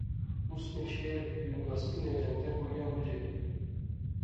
اس نے شعر یونیورسٹی نے جنگتیں کڑئیں بجے